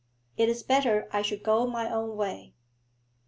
It is better I should go my own way.'